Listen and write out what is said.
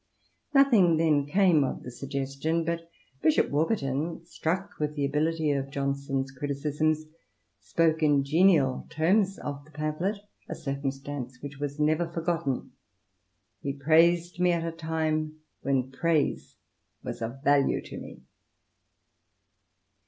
Nothing then came of the suggestion, but Bishop Warburton, struck with the ability of Johnson's criticisms, spoke in genial terms of the pamphlet — a circumstance which was never forgotten —He praised me at a time when praise was of value to me."